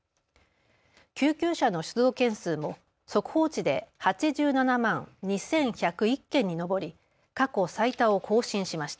救急車の出動件数も速報値で８７万２１０１件に上り過去最多を更新しました。